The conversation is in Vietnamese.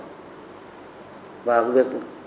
nếu như việc bán mua nó có thật